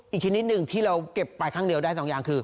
อีกชิ้นนิดนึงที่เราเก็บไปครั้งเดียวได้สองอย่างคือ